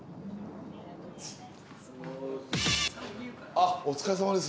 あっお疲れさまです。